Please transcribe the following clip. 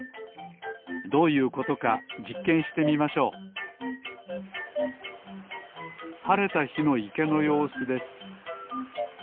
どういうことかじっけんしてみましょうはれたひのいけのようすです